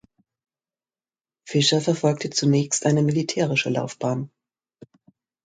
Fischer verfolgte zunächst eine militärische Laufbahn.